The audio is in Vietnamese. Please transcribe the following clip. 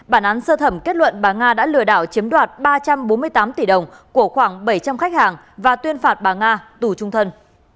bản án sơ thẩm kết luận bà nga đã lừa đảo chiếm đoạt ba trăm bốn mươi tám tỷ đồng của khoảng bảy trăm linh khách hàng và tuyên phạt bà nga tù trung thân